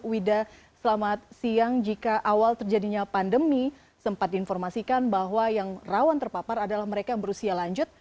wida selamat siang jika awal terjadinya pandemi sempat diinformasikan bahwa yang rawan terpapar adalah mereka yang berusia lanjut